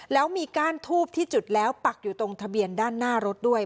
แล้วมีก้านทูบที่จุดแล้วปักอยู่ตรงทะเบียนด้านหน้ารถด้วย